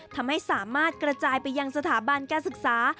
ทำให้สามารถกระจายไปยังสถาบันการศึกษา